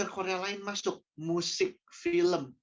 karena karya lain masuk musik film